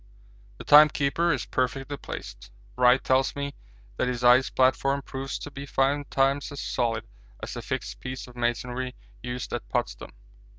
The timekeeper is perfectly placed. Wright tells me that his ice platform proves to be five times as solid as the fixed piece of masonry used at Potsdam.